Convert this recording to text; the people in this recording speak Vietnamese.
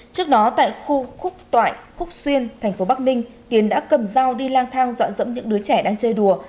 trước đó tại khu khúc toại khúc xuyên thành phố bắc ninh tiến đã cầm dao đi lang thang dọa dẫm những đứa trẻ đang chơi đùa